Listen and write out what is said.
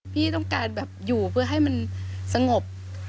พี่ต้องการแบบอยู่เพื่อให้มันสงบ